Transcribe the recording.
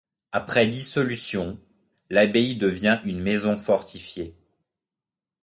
Après la dissolution, l'abbaye devient une maison fortifiée.